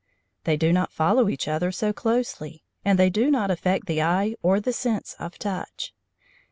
They do not follow each other so closely, and they do not affect the eye or the sense of touch.